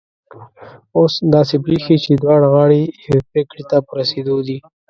اوس داسي برېښي چي دواړه غاړې یوې پرېکړي ته په رسېدو دي